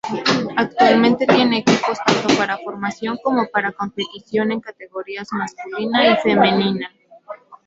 Actualmente tiene equipos tanto para formación como para competición en categorías masculina y femenina.